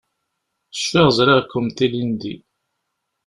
Cfiɣ ẓriɣ-kent ilindi.